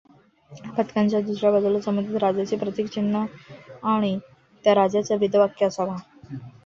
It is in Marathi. पदकाच्या दुसऱ्या बाजूस संबंधित राज्याचे प्रतीकचिन्ह आणि त्या राज्याचे ब्रीदवाक्य असावा.